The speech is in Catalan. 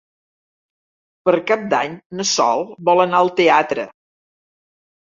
Per Cap d'Any na Sol vol anar al teatre.